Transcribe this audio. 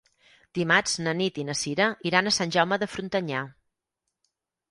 Dimarts na Nit i na Cira iran a Sant Jaume de Frontanyà.